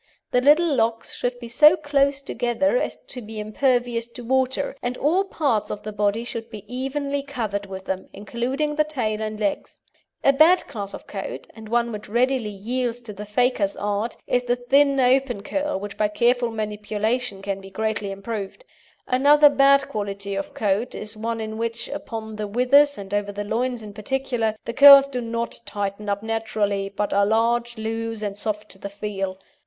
The little locks should be so close together as to be impervious to water, and all parts of the body should be evenly covered with them, including the tail and legs. A bad class of coat, and one which readily yields to the faker's art, is the thin open curl which by careful manipulation can be greatly improved. Another bad quality of coat is one in which, upon the withers and over the loins in particular, the curls do not tighten up naturally, but are large, loose, and soft to the feel.